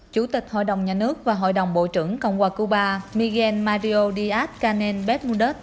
chủ tịch hội đồng nhà nước và hội đồng bộ trưởng cộng hòa cuba miguel mario díaz canel behmudet